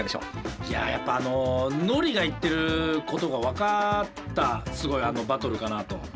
いややっぱあのＮＯＲＩが言ってることが分かったすごいバトルかなと。